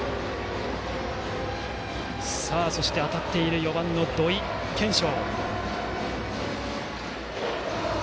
さあ、そして当たっている４番の土井研照。